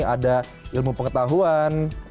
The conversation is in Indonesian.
ada ilmu pengetahuan